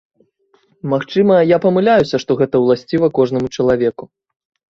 Магчыма, я памыляюся, што гэта ўласціва кожнаму чалавеку.